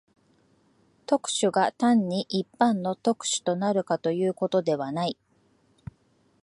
特殊が単に一般の特殊となるとかいうことではない。